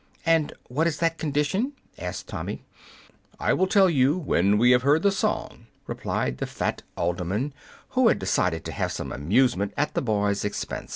"And what is that condition?" asked Tommy. "I will tell you when we have heard the song," replied the fat alderman, who had decided to have some amusement at the boy's expense.